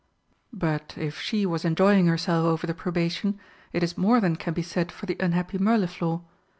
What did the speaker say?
But if she was enjoying herself over the probation, it is more than can be said for the unhappy Mirliflor.